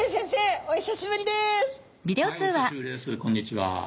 はいお久しぶりですこんにちは。